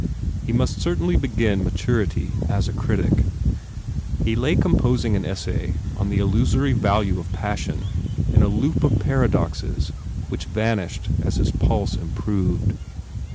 He must certainly begin maturity as a critic. He lay composing an essay on the illusory value of passion in a loop of par adoxes which vanished as his pulse improved.